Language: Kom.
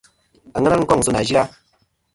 Àŋena nɨn kôŋ sɨ nà yɨ-a.